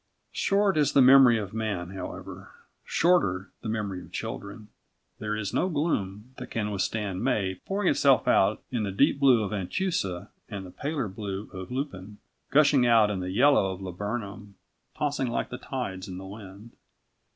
Short is the memory of man, however. Shorter the memory of children. There is no gloom that can withstand May pouring itself out in the deep blue of anchusa and the paler blue of lupin, gushing out in the yellow of laburnum, tossing like the tides in the wind.